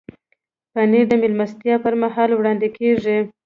پنېر د میلمستیا پر مهال وړاندې کېږي.